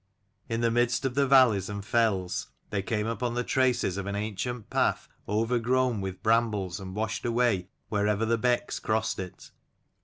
In the midst of the valleys and fells, they came upon the traces of an ancient path overgrown with brambles, and washed away wherever the becks crossed it.